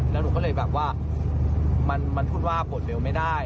แล้วหนูก็เลยแบบว่ามันพูดว่าบทเร็วไม่ได้